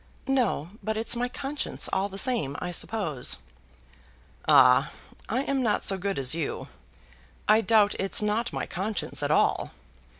"No; but it's my conscience all the same, I suppose." "Ah! I'm not so good as you. I doubt it's not my conscience at all.